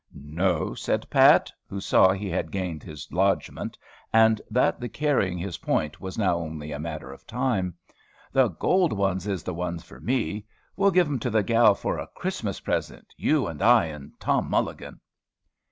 "No," said Pat, who saw he had gained his lodgment, and that the carrying his point was now only a matter of time. "The gould ones is the ones for me. We'll give 'em to the gal for a Christmas present, you and I and Tom Mulligan."